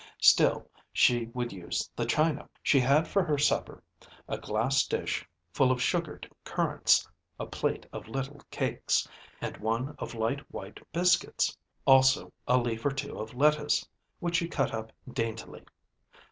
Still she would use the china. She had for her supper a glass dish full of sugared currants, a plate of little cakes, and one of little white biscuits. Also a leaf or two of lettuce, which she cut up daintily.